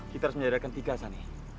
kita harus menyediakan tiga sani